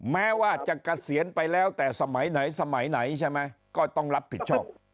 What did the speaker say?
แม้ว่าจะเกษียณไปแล้วแต่สมัยไหนสมัยไหนใช่ไหมก็ต้องรับผิดชอบ